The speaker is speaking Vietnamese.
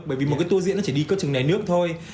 bởi vì một tu diễn chỉ đi cơ chừng này nước thôi